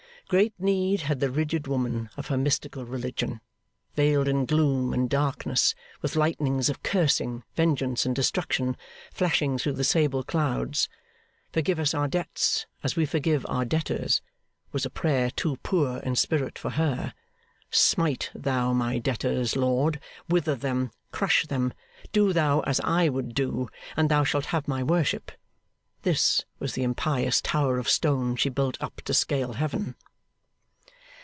Great need had the rigid woman of her mystical religion, veiled in gloom and darkness, with lightnings of cursing, vengeance, and destruction, flashing through the sable clouds. Forgive us our debts as we forgive our debtors, was a prayer too poor in spirit for her. Smite Thou my debtors, Lord, wither them, crush them; do Thou as I would do, and Thou shalt have my worship: this was the impious tower of stone she built up to scale Heaven.